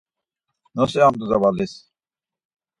Nosi amt̆u zavalis.